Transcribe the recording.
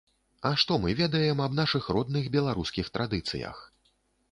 А што мы ведаем аб нашых родных беларускіх традыцыях?